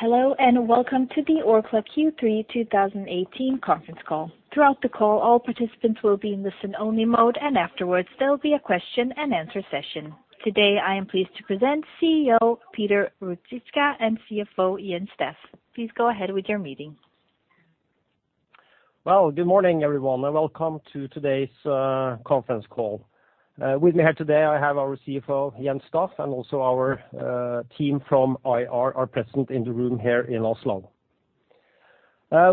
Hello, welcome to the Orkla Q3 2018 conference call. Throughout the call, all participants will be in listen-only mode. Afterwards, there'll be a question and answer session. Today, I am pleased to present CEO Peter Ruzicka and CFO Jens Staff. Please go ahead with your meeting. Well, good morning, everyone, welcome to today's conference call. With me here today, I have our CFO, Jens Staff, and also our team from IR are present in the room here in Oslo.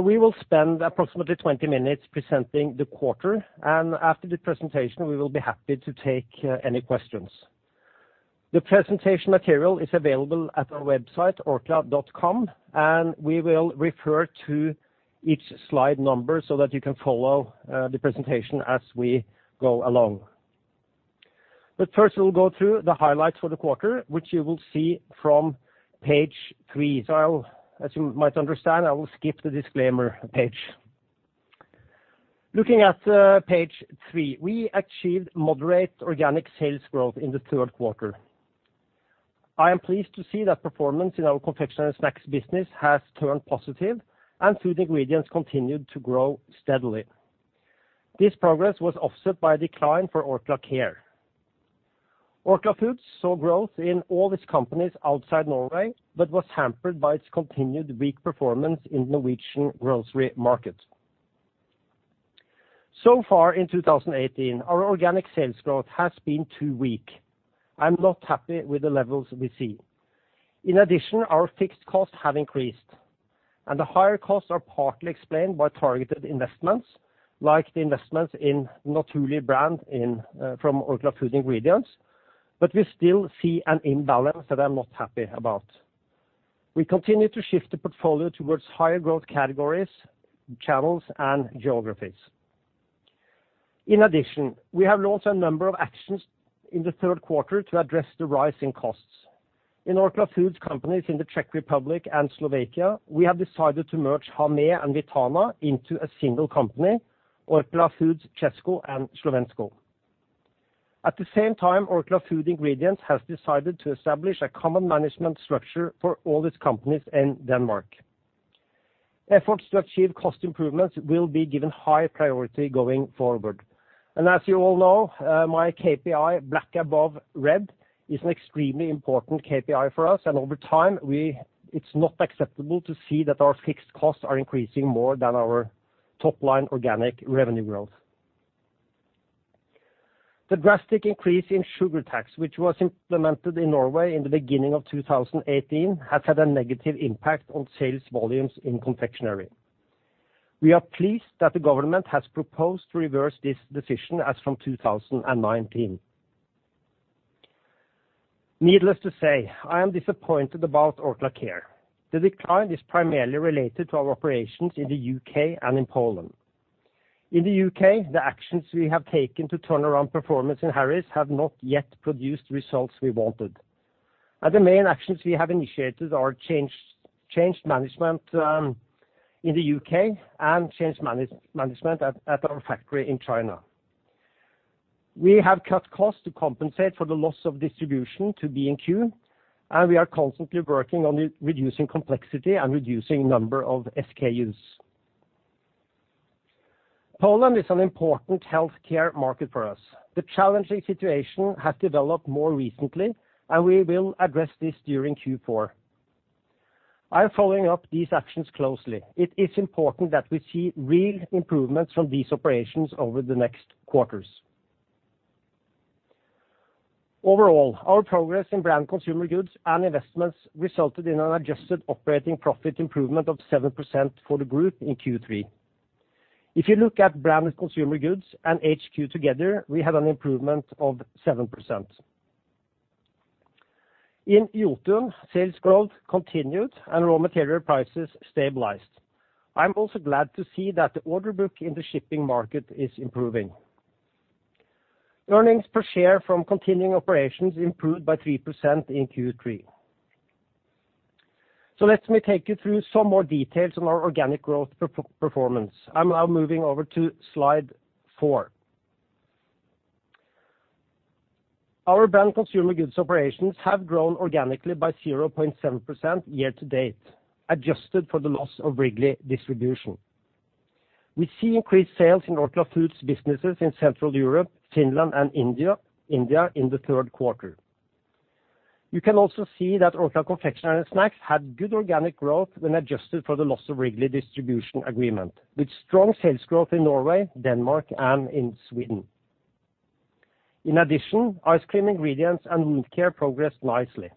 We will spend approximately 20 minutes presenting the quarter. After the presentation, we will be happy to take any questions. The presentation material is available at our website, orkla.com. We will refer to each slide number so that you can follow the presentation as we go along. First, we'll go through the highlights for the quarter, which you will see from page three. As you might understand, I will skip the disclaimer page. Looking at page three, we achieved moderate organic sales growth in the third quarter. I am pleased to see that performance in our Confectionery Snacks business has turned positive. Food Ingredients continued to grow steadily. This progress was offset by a decline for Orkla Care. Orkla Foods saw growth in all its companies outside Norway, was hampered by its continued weak performance in Norwegian grocery market. Far in 2018, our organic sales growth has been too weak. I'm not happy with the levels we see. In addition, our fixed costs have increased. The higher costs are partly explained by targeted investments, like the investments in Naturli' brand from Orkla Food Ingredients. We still see an imbalance that I'm not happy about. We continue to shift the portfolio towards higher growth categories, channels, and geographies. In addition, we have launched a number of actions in the third quarter to address the rise in costs. In Orkla Foods companies in the Czech Republic and Slovakia, we have decided to merge Hamé and Vitana into a single company, Orkla Foods Česko a Slovensko. At the same time, Orkla Food Ingredients has decided to establish a common management structure for all its companies in Denmark. Efforts to achieve cost improvements will be given high priority going forward. As you all know, my KPI, black above red, is an extremely important KPI for us. Over time, it's not acceptable to see that our fixed costs are increasing more than our top-line organic revenue growth. The drastic increase in sugar tax, which was implemented in Norway in the beginning of 2018, has had a negative impact on sales volumes in confectionery. We are pleased that the government has proposed to reverse this decision as from 2019. Needless to say, I am disappointed about Orkla Care. The decline is primarily related to our operations in the U.K. and in Poland. In the U.K., the actions we have taken to turn around performance in Harris have not yet produced the results we wanted. The main actions we have initiated are change management in the U.K. and change management at our factory in China. We have cut costs to compensate for the loss of distribution to B&Q, and we are constantly working on reducing complexity and reducing number of SKUs. Poland is an important healthcare market for us. The challenging situation has developed more recently, and we will address this during Q4. I am following up these actions closely. It is important that we see real improvements from these operations over the next quarters. Overall, our progress in Branded Consumer Goods and investments resulted in an adjusted operating profit improvement of 7% for the group in Q3. If you look at Branded Consumer Goods and HQ together, we have an improvement of 7%. In Jotun, sales growth continued and raw material prices stabilized. I am also glad to see that the order book in the shipping market is improving. Earnings per share from continuing operations improved by 3% in Q3. Let me take you through some more details on our organic growth performance. I am now moving over to slide four. Our Branded Consumer Goods operations have grown organically by 0.7% year to date, adjusted for the loss of Wrigley distribution. We see increased sales in Orkla Foods businesses in Central Europe, Finland, and India in the third quarter. You can also see that Orkla Confectionery & Snacks had good organic growth when adjusted for the loss of Wrigley distribution agreement, with strong sales growth in Norway, Denmark, and in Sweden. In addition, Ice Cream Ingredients and Wound Care progressed nicely.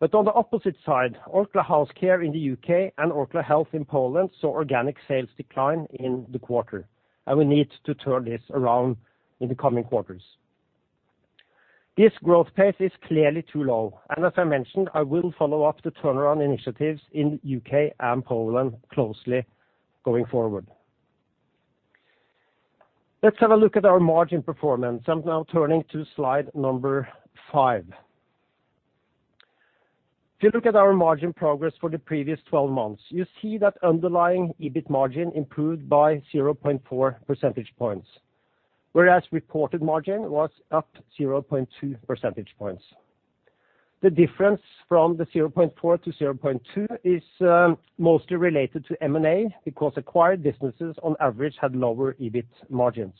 On the opposite side, Orkla Health in the U.K. and Orkla Health in Poland saw organic sales decline in the quarter, and we need to turn this around in the coming quarters. This growth pace is clearly too low, and as I mentioned, I will follow up the turnaround initiatives in U.K. and Poland closely going forward. Let's have a look at our margin performance. I am now turning to slide number five. If you look at our margin progress for the previous 12 months, you see that underlying EBIT margin improved by 0.4 percentage points. Reported margin was up 0.2 percentage points. The difference from the 0.4 to 0.2 is mostly related to M&A because acquired businesses on average had lower EBIT margins.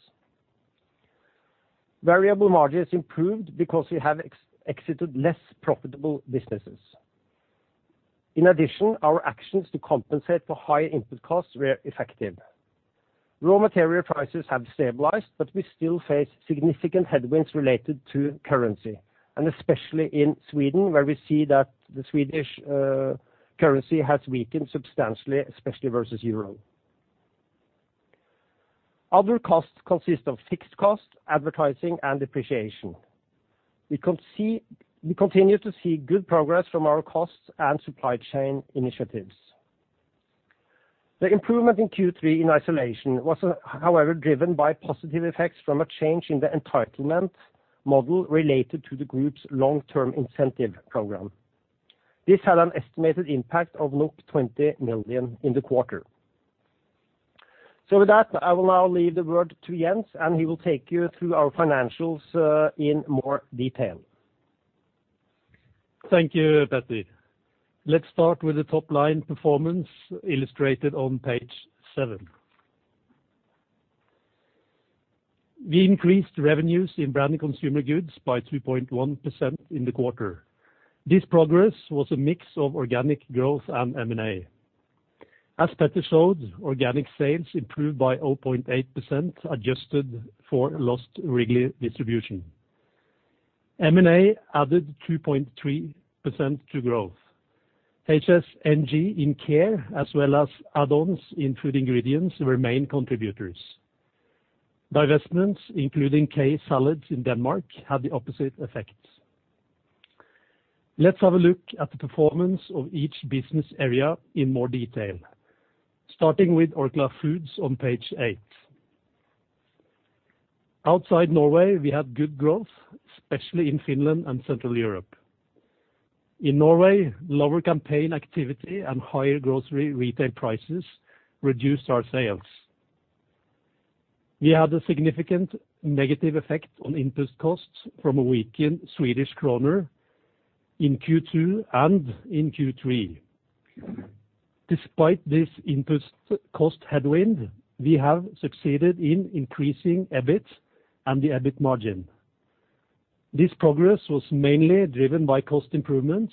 Variable margins improved because we have exited less profitable businesses. In addition, our actions to compensate for higher input costs were effective. Raw material prices have stabilized, we still face significant headwinds related to currency, and especially in Sweden, where we see that the Swedish currency has weakened substantially, especially versus EUR. Other costs consist of fixed costs, advertising, and depreciation. We continue to see good progress from our costs and supply chain initiatives. The improvement in Q3 in isolation was, however, driven by positive effects from a change in the entitlement model related to the group's Long-Term Incentive Program. This had an estimated impact of NOK 20 million in the quarter. With that, I will now leave the word to Jens, and he will take you through our financials in more detail. Thank you, Petter. Let's start with the top-line performance illustrated on page seven. We increased revenues in Branded Consumer Goods by 3.1% in the quarter. This progress was a mix of organic growth and M&A. As Petter showed, organic sales improved by 0.8%, adjusted for lost Wrigley distribution. M&A added 2.3% to growth. HSNG in Orkla Care, as well as add-ons in Orkla Food Ingredients, were main contributors. Divestments, including K-Salat in Denmark, had the opposite effect. Let's have a look at the performance of each business area in more detail. Starting with Orkla Foods on page eight. Outside Norway, we have good growth, especially in Finland and Central Europe. In Norway, lower campaign activity and higher grocery retail prices reduced our sales. We had a significant negative effect on input costs from a weakened SEK in Q2 and in Q3. Despite this input cost headwind, we have succeeded in increasing EBIT and the EBIT margin. This progress was mainly driven by cost improvements.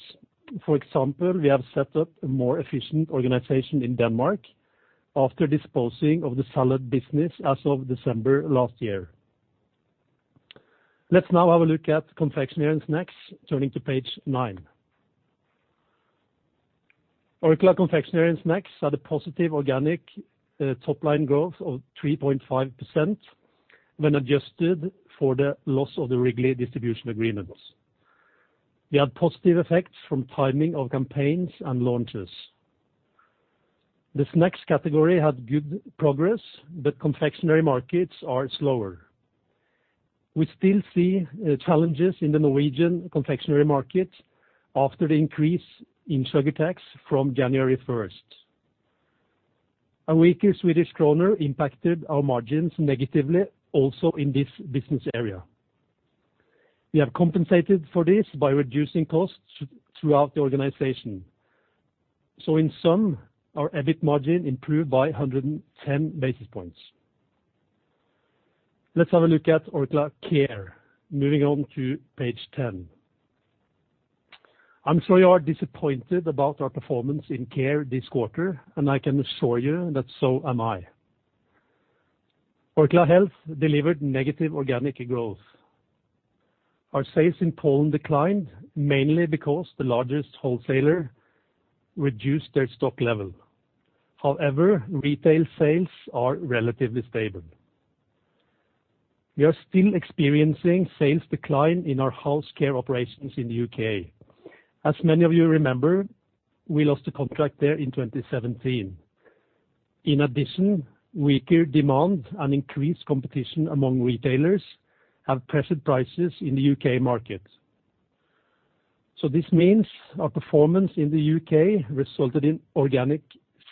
For example, we have set up a more efficient organization in Denmark after disposing of the salad business as of December last year. Let's now have a look at Orkla Confectionery & Snacks, turning to page nine. Orkla Confectionery & Snacks had a positive organic top-line growth of 3.5% when adjusted for the loss of the Wrigley distribution agreements. We had positive effects from timing of campaigns and launches. The snacks category had good progress, but confectionery markets are slower. We still see challenges in the Norwegian confectionery market after the increase in sugar tax from January 1st. A weaker SEK impacted our margins negatively also in this business area. We have compensated for this by reducing costs throughout the organization. In sum, our EBIT margin improved by 110 basis points. Let's have a look at Orkla Care, moving on to page 10. I'm sure you are disappointed about our performance in Orkla Care this quarter, and I can assure you that so am I. Orkla Health delivered negative organic growth. Our sales in Poland declined, mainly because the largest wholesaler reduced their stock level. However, retail sales are relatively stable. We are still experiencing sales decline in our health care operations in the U.K. As many of you remember, we lost a contract there in 2017. In addition, weaker demand and increased competition among retailers have pressured prices in the U.K. market. This means our performance in the U.K. resulted in organic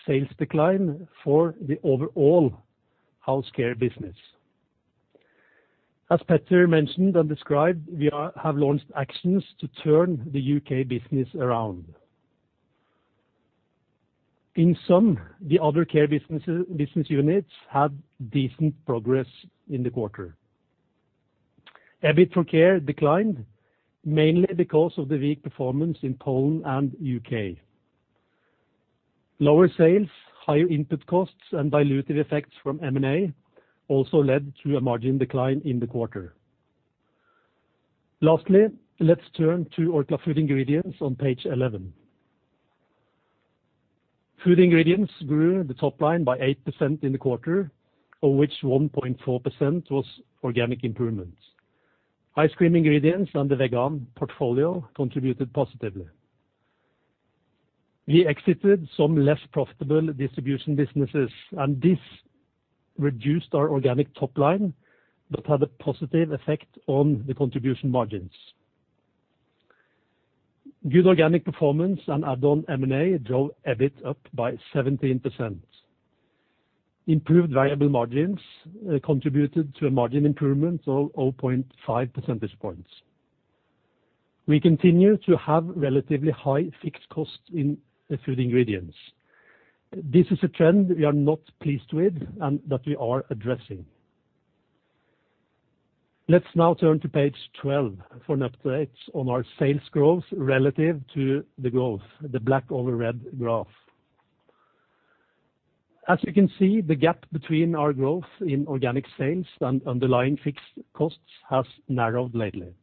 sales decline for the overall health care business. As Petter mentioned and described, we have launched actions to turn the U.K. business around. In sum, the other Orkla Care business units had decent progress in the quarter. EBIT for Orkla Care declined, mainly because of the weak performance in Poland and U.K. Lower sales, higher input costs, and dilutive effects from M&A also led to a margin decline in the quarter. Lastly, let's turn to Orkla Food Ingredients on page 11. Orkla Food Ingredients grew the top line by 8% in the quarter, of which 1.4% was organic improvement. Ice cream ingredients and the vegan portfolio contributed positively. We exited some less profitable distribution businesses, and this reduced our organic top line, but had a positive effect on the contribution margins. Good organic performance and add-on M&A drove EBIT up by 17%. Improved variable margins contributed to a margin improvement of 0.5 percentage points. We continue to have relatively high fixed costs in Orkla Food Ingredients. This is a trend we are not pleased with and that we are addressing. Let's now turn to page 12 for an update on our sales growth relative to the growth, the black over red graph. As you can see, the gap between our growth in organic sales and underlying fixed costs has narrowed lately.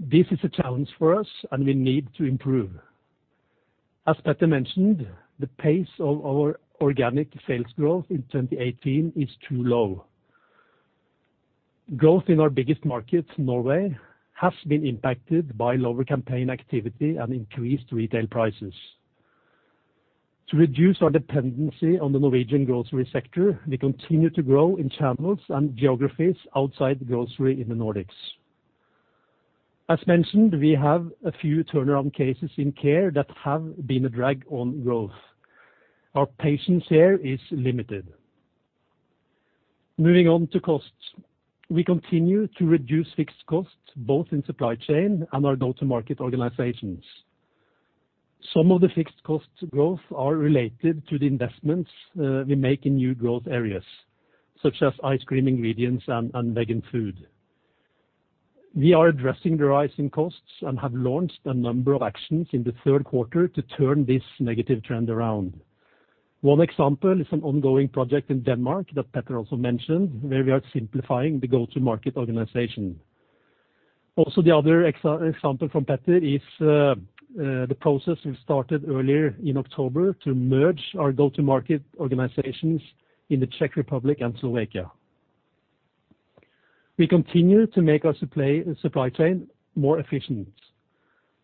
This is a challenge for us, and we need to improve. As Petter mentioned, the pace of our organic sales growth in 2018 is too low. Growth in our biggest market, Norway, has been impacted by lower campaign activity and increased retail prices. To reduce our dependency on the Norwegian grocery sector, we continue to grow in channels and geographies outside grocery in the Nordics. As mentioned, we have a few turnaround cases in Care that have been a drag on growth. Our patience here is limited. Moving on to costs. We continue to reduce fixed costs both in supply chain and our go-to-market organizations. Some of the fixed cost growth are related to the investments we make in new growth areas, such as ice cream ingredients and vegan food. We are addressing the rise in costs and have launched a number of actions in the third quarter to turn this negative trend around. One example is an ongoing project in Denmark that Petter also mentioned, where we are simplifying the go-to-market organization. The other example from Petter is the process we started earlier in October to merge our go-to-market organizations in the Czech Republic and Slovakia. We continue to make our supply chain more efficient.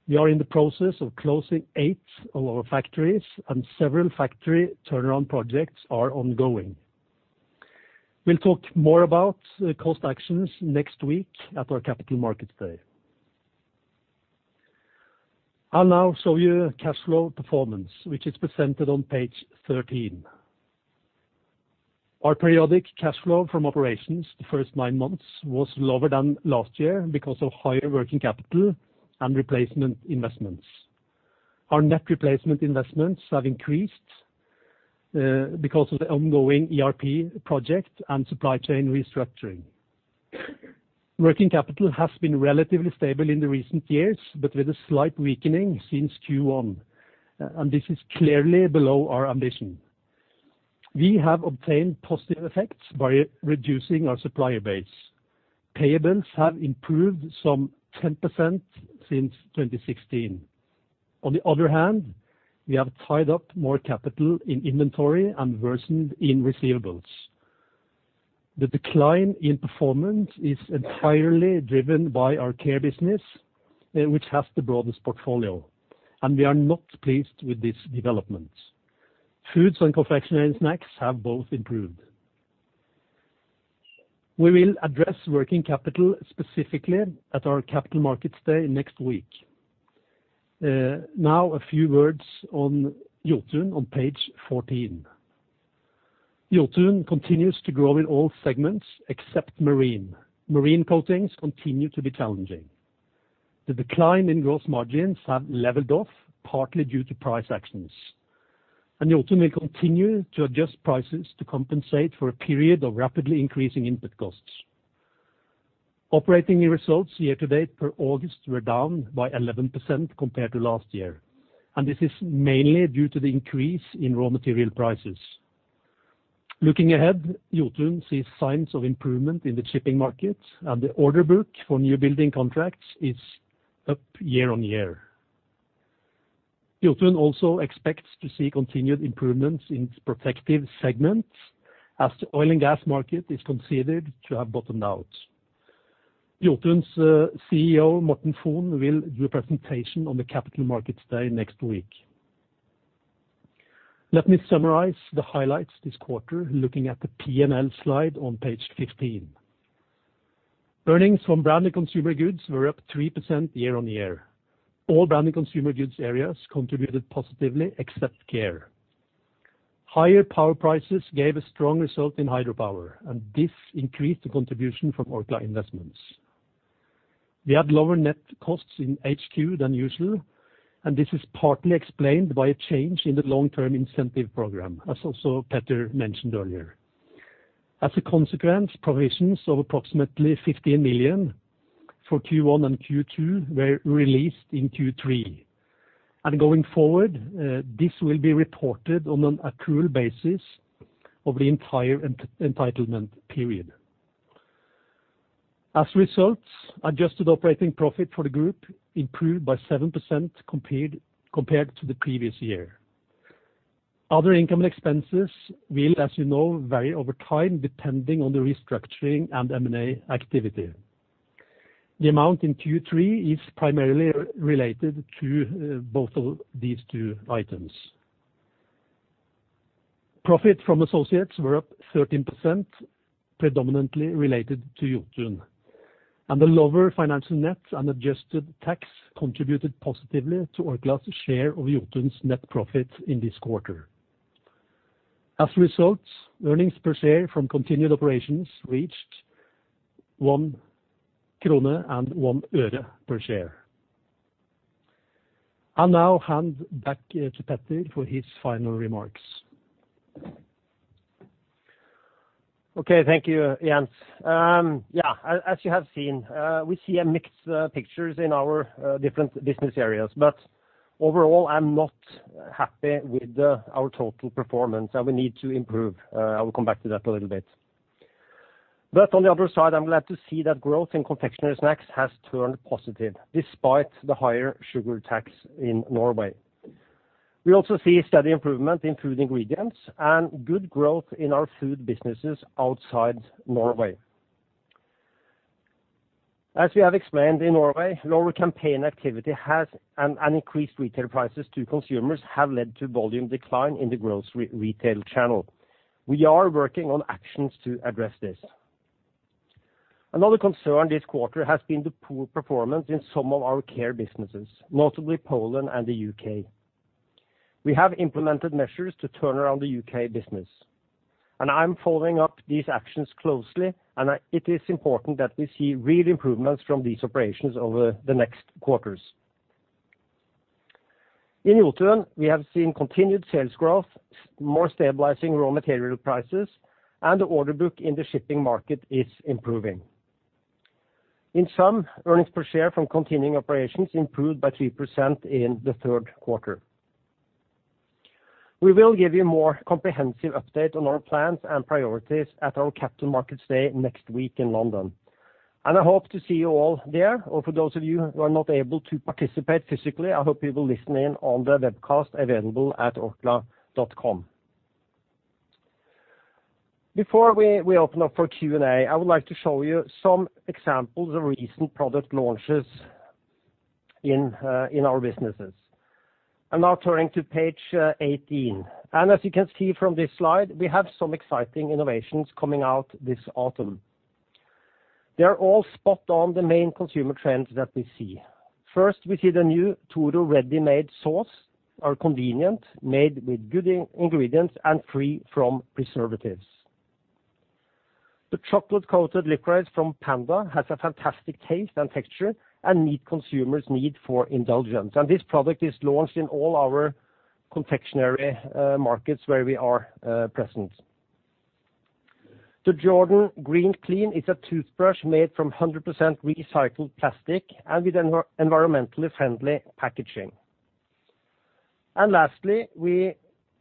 We are in the process of closing eight of our factories and several factory turnaround projects are ongoing. We'll talk more about cost actions next week at our Capital Markets Day. I'll now show you cash flow performance, which is presented on page 13. Our periodic cash flow from operations the first nine months was lower than last year because of higher working capital and replacement investments. Our net replacement investments have increased because of the ongoing ERP project and supply chain restructuring. Working capital has been relatively stable in the recent years, but with a slight weakening since Q1, and this is clearly below our ambition. We have obtained positive effects by reducing our supplier base. Payments have improved some 10% since 2016. On the other hand, we have tied up more capital in inventory and worsened in receivables. The decline in performance is entirely driven by our care business, which has the broadest portfolio, and we are not pleased with this development. Foods and confectionery snacks have both improved. We will address working capital specifically at our Capital Markets Day next week. A few words on Jotun on page 14. Jotun continues to grow in all segments except marine. Marine coatings continue to be challenging. The decline in growth margins have leveled off, partly due to price actions. Jotun may continue to adjust prices to compensate for a period of rapidly increasing input costs. Operating results year to date for August were down by 11% compared to last year, and this is mainly due to the increase in raw material prices. Looking ahead, Jotun sees signs of improvement in the shipping market and the order book for new building contracts is up year on year. Jotun also expects to see continued improvements in its protective segment as the oil and gas market is considered to have bottomed out. Jotun's CEO, Morten Fon, will do a presentation on the Capital Markets Day next week. Let me summarize the highlights this quarter, looking at the P&L slide on page 15. Earnings from Branded Consumer Goods were up 3% year-on-year. All Branded Consumer Goods areas contributed positively except Care. Higher power prices gave a strong result in hydropower, this increased the contribution from Orkla Investments. We had lower net costs in HQ than usual, this is partly explained by a change in the Long-Term Incentive program, as also Petter mentioned earlier. As a consequence, provisions of approximately 15 million for Q1 and Q2 were released in Q3. Going forward, this will be reported on an accrual basis over the entire entitlement period. As a result, adjusted operating profit for the group improved by 7% compared to the previous year. Other income and expenses will, as you know, vary over time depending on the restructuring and M&A activity. The amount in Q3 is primarily related to both of these two items. Profit from associates were up 13%, predominantly related to Jotun. The lower financial net and adjusted tax contributed positively to Orkla's share of Jotun's net profit in this quarter. As a result, earnings per share from continued operations reached NOK 1.01 per share. I'll now hand back to Peter for his final remarks. Okay. Thank you, Jens. Yeah, as you have seen, we see a mixed pictures in our different business areas. Overall, I'm not happy with our total performance, and we need to improve. I will come back to that a little bit. On the other side, I'm glad to see that growth in Confectionery & Snacks has turned positive despite the higher sugar tax in Norway. We also see a steady improvement in Food Ingredients and good growth in our Foods businesses outside Norway. As we have explained, in Norway, lower campaign activity and increased retail prices to consumers have led to volume decline in the grocery retail channel. We are working on actions to address this. Another concern this quarter has been the poor performance in some of our Care businesses, notably Poland and the U.K. We have implemented measures to turn around the U.K. business. I'm following up these actions closely, and it is important that we see real improvements from these operations over the next quarters. In Jotun, we have seen continued sales growth, more stabilizing raw material prices, the order book in the shipping market is improving. In sum, earnings per share from continuing operations improved by 3% in the third quarter. We will give you more comprehensive update on our plans and priorities at our Capital Markets Day next week in London. I hope to see you all there, or for those of you who are not able to participate physically, I hope you will listen in on the webcast available at orkla.com. Before we open up for Q&A, I would like to show you some examples of recent product launches in our businesses. Now turning to page 18. As you can see from this slide, we have some exciting innovations coming out this autumn. They are all spot on the main consumer trends that we see. First, we see the new Toro ready-made sauce are convenient, made with good ingredients, and free from preservatives. The chocolate-coated licorice from Panda has a fantastic taste and texture and meet consumers' need for indulgence. This product is launched in all our confectionery markets where we are present. The Jordan Green Clean is a toothbrush made from 100% recycled plastic and with environmentally friendly packaging. Lastly,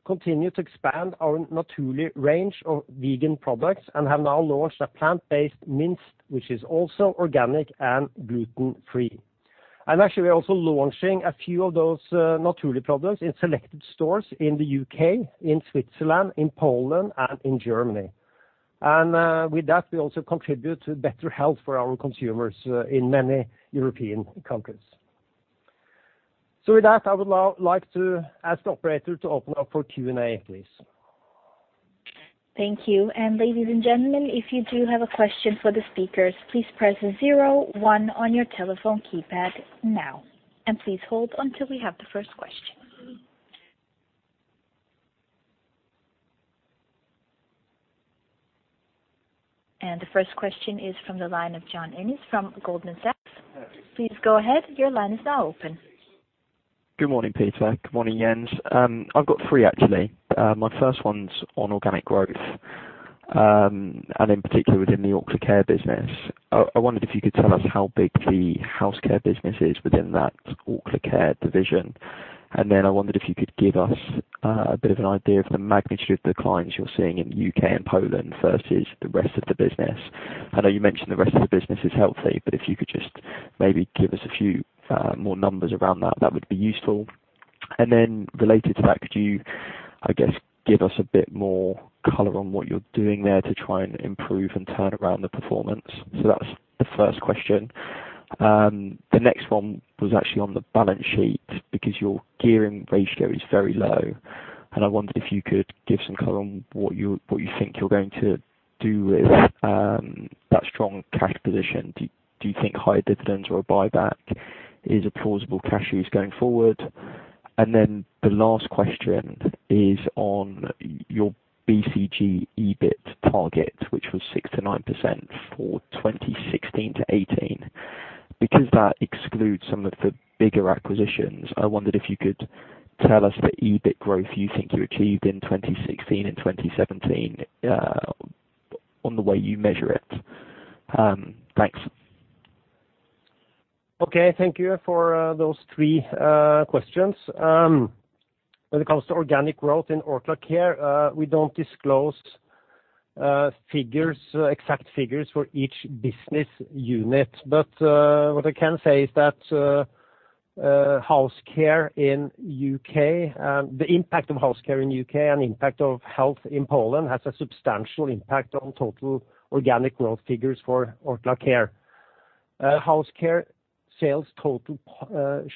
we continue to expand our Naturli' range of vegan products and have now launched a plant-based mince, which is also organic and gluten-free. Actually, we're also launching a few of those Naturli' products in selected stores in the U.K., in Switzerland, in Poland, and in Germany. With that, we also contribute to better health for our consumers in many European countries. With that, I would now like to ask the operator to open up for Q&A, please. Thank you. Ladies and gentlemen, if you do have a question for the speakers, please press 01 on your telephone keypad now. Please hold until we have the first question. The first question is from the line of John Ennis from Goldman Sachs. Please go ahead. Your line is now open. Good morning, Peter. Good morning, Jens. I've got three, actually. My first one's on organic growth, in particular, within the Orkla Care business. I wondered if you could tell us how big the house care business is within that Orkla Care division. Then I wondered if you could give us a bit of an idea of the magnitude of the declines you're seeing in the U.K. and Poland versus the rest of the business. I know you mentioned the rest of the business is healthy, but if you could just maybe give us a few more numbers around that would be useful. Then related to that, could you, I guess, give us a bit more color on what you're doing there to try and improve and turn around the performance? That's the first question. The next one was actually on the balance sheet because your gearing ratio is very low. I wondered if you could give some color on what you think you're going to do with that strong cash position. Do you think higher dividends or a buyback is a plausible cash use going forward? The last question is on your BCG EBIT target, which was 6%-9% for 2016-2018. Because that excludes some of the bigger acquisitions, I wondered if you could tell us the EBIT growth you think you achieved in 2016 and 2017 on the way you measure it. Thanks. Okay. Thank you for those three questions. When it comes to organic growth in Orkla Care, we don't disclose exact figures for each business unit. What I can say is that the impact of Orkla House Care in U.K. and impact of Orkla Health in Poland has a substantial impact on total organic growth figures for Orkla Care. Orkla House Care sales, total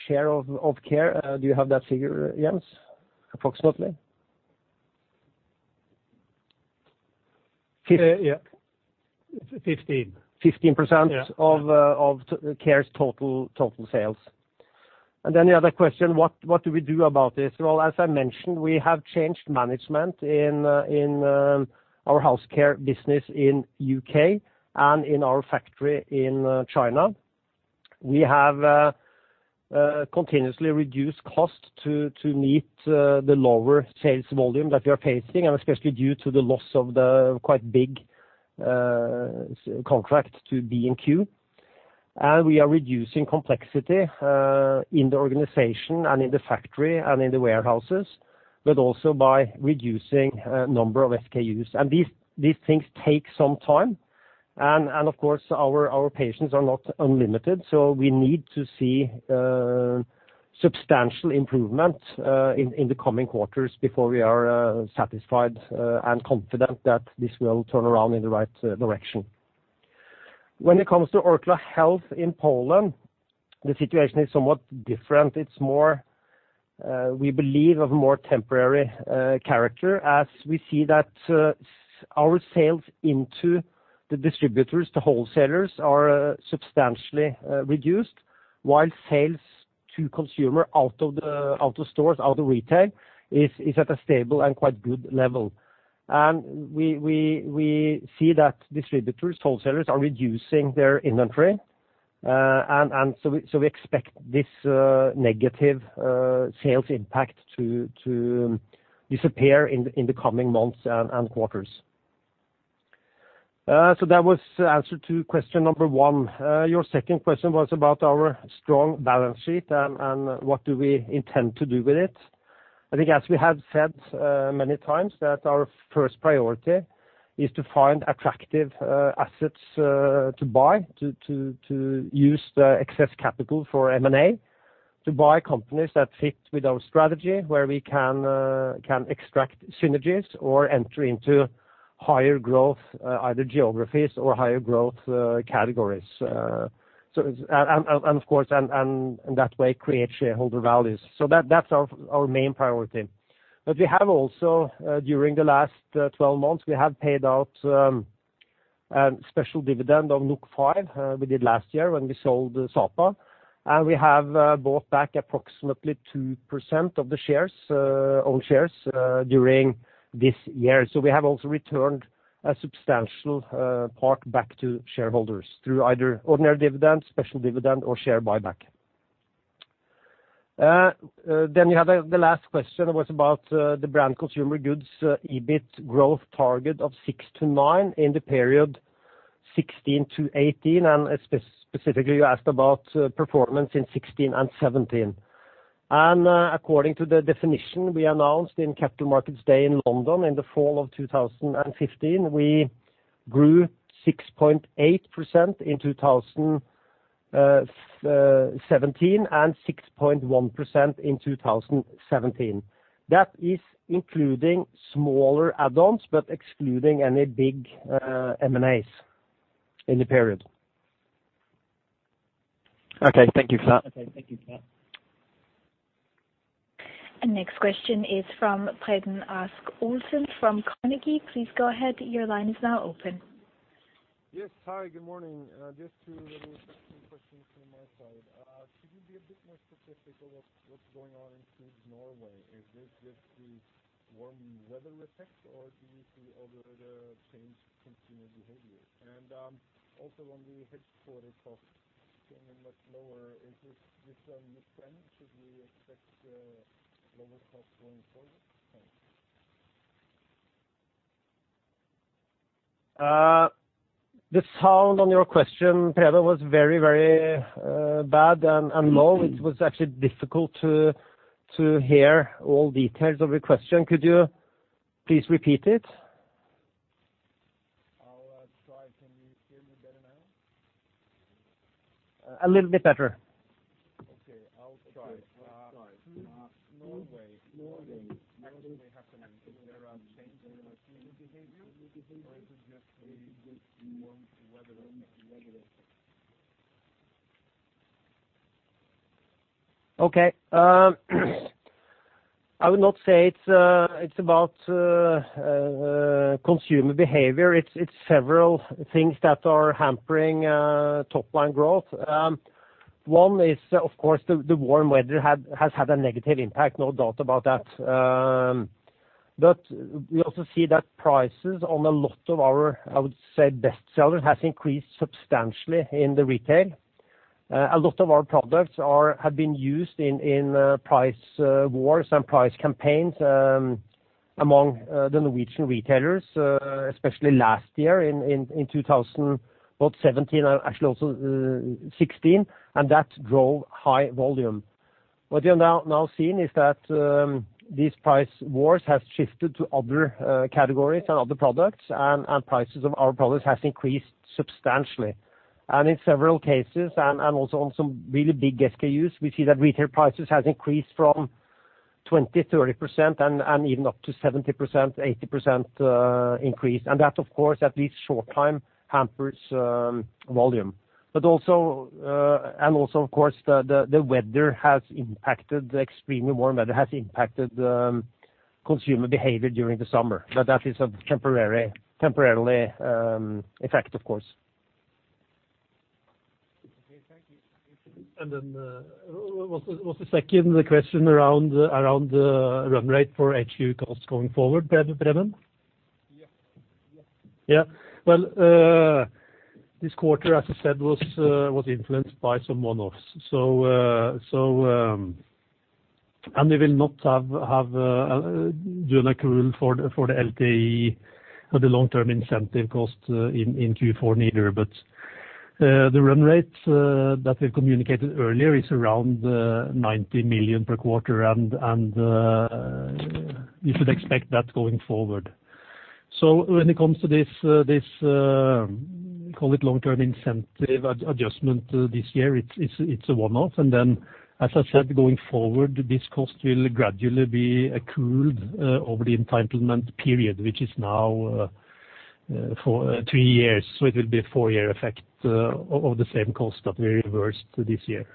share of Care. Do you have that figure, Jens, approximately? Yeah. 15%. 15% of Care's total sales. The other question, what do we do about this role? As I mentioned, we have changed management in our Orkla House Care business in U.K. and in our factory in China. We have continuously reduced costs to meet the lower sales volume that we are facing and especially due to the loss of the quite big contract to B&Q. We are reducing complexity in the organization and in the factory and in the warehouses, but also by reducing number of SKUs. These things take some time. Of course, our patience are not unlimited, so we need to see substantial improvement in the coming quarters before we are satisfied and confident that this will turn around in the right direction. When it comes to Orkla Health in Poland, the situation is somewhat different. It's more, we believe, of a more temporary character, as we see that our sales into the distributors to wholesalers are substantially reduced, while sales to consumer out of stores, out of retail, is at a stable and quite good level. We see that distributors, wholesalers are reducing their inventory. We expect this negative sales impact to disappear in the coming months and quarters. That was the answer to question number one. Your second question was about our strong balance sheet and what do we intend to do with it. I think as we have said many times, that our first priority is to find attractive assets to buy, to use the excess capital for M&A, to buy companies that fit with our strategy, where we can extract synergies or enter into higher growth, either geographies or higher growth categories. Of course, and that way create shareholder values. That's our main priority. We have also, during the last 12 months, we have paid out special dividend of 5, we did last year when we sold the Sapa. We have bought back approximately 2% of the shares, own shares, during this year. We have also returned a substantial part back to shareholders through either ordinary dividends, special dividend, or share buyback. You have the last question was about the Branded Consumer Goods EBIT growth target of 6 to 9 in the period 2016-2018, and specifically, you asked about performance in 2016 and 2017. According to the definition we announced in Capital Markets Day in London in the fall of 2015, we grew 6.8% in 2016 and 6.1% in 2017. That is including smaller add-ons, but excluding any big M&As in the period. Okay, thank you for that. Next question is from Preben Rasch-Olsen from Carnegie. Please go ahead. Your line is now open. Yes, hi, good morning. Just two little question from my side. Could you be a bit more specific on what's going on in Norway? Is this just the warm weather effect, or do you see other changed consumer behavior? Also on the headquarter costs being a lot lower, is this a new trend? Should we expect lower costs going forward? Thanks. The sound on your question, Preben, was very bad and low. It was actually difficult to hear all details of your question. Could you please repeat it? I'll try. Can you hear me better now? A little bit better. Okay, I'll try. Norway, what is actually happening? Is there a change in the consumer behavior, or is it just a warm weather effect? Okay. I would not say it's about consumer behavior. It's several things that are hampering top-line growth. One is, of course, the warm weather has had a negative impact, no doubt about that. We also see that prices on a lot of our, I would say, bestsellers has increased substantially in the retail. A lot of our products have been used in price wars and price campaigns among the Norwegian retailers, especially last year in 2017, actually also 2016, and that drove high volume. What you're now seeing is that these price wars have shifted to other categories and other products, and prices of our products has increased substantially. In several cases and also on some really big SKUs, we see that retail prices has increased from 20%, 30% and even up to 70%-80% increase. That, of course, at least short time, hampers volume. Also, of course, the extremely warm weather has impacted consumer behavior during the summer, but that is a temporary effect, of course. Okay, thank you. Was the second question around the run rate for HQ costs going forward, Preben? Yeah. This quarter, as I said, was influenced by some one-offs. They will not do an accrual for the LTI or the long-term incentive cost in Q4 neither. The run rate that we've communicated earlier is around 90 million per quarter, and you should expect that going forward. When it comes to this, call it long-term incentive adjustment this year, it's a one-off. As I said, going forward, this cost will gradually be accrued over the entitlement period, which is now for three years. It will be a four-year effect of the same cost that we reversed this year.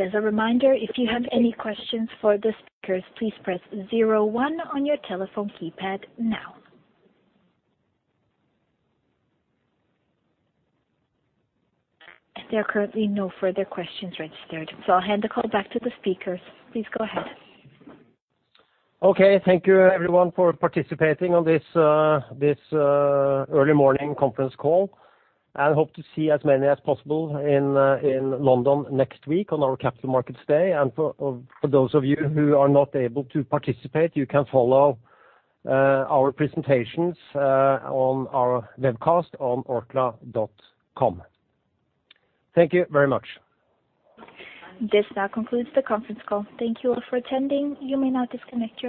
Okay, thank you. As a reminder, if you have any questions for the speakers, please press 01 on your telephone keypad now. There are currently no further questions registered, I'll hand the call back to the speakers. Please go ahead. Okay, thank you everyone for participating on this early morning conference call, hope to see as many as possible in London next week on our Capital Markets Day. For those of you who are not able to participate, you can follow our presentations on our webcast on orkla.com. Thank you very much. This now concludes the conference call. Thank you all for attending. You may now disconnect.